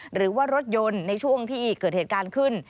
หรือว่ารถยนต์ในช่วงที่เกิดเหตุการณ์ขึ้น